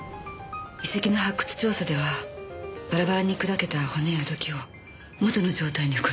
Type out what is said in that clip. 遺跡の発掘調査ではバラバラに砕けた骨や土器を元の状態に復元していく。